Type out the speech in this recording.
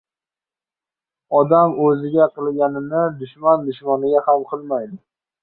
• Odam o‘ziga qilganini dushman dushmaniga ham qilmaydi.